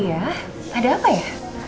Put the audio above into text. iya ada apa ya